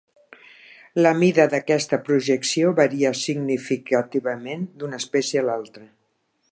La mida d'aquesta projecció varia significativament d'una espècie a l'altra.